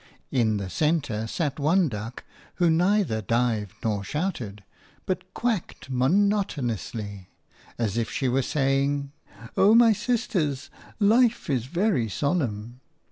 In the centre sat one duck who neither dived nor shouted, but quacked monotonously, as if she were saying – "O my sisters, life is very solemn."